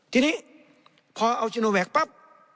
ทีนี้พอเอาชิโนแวคปั๊บ